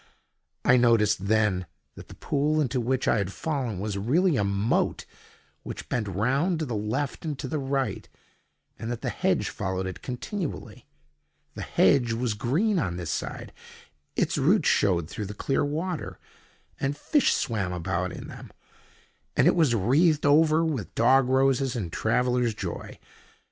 I noticed then that the pool into which I had fallen was really a moat which bent round to the left and to the right, and that the hedge followed it continually. The hedge was green on this side—its roots showed through the clear water, and fish swam about in them—and it was wreathed over with dog roses and Traveller's Joy.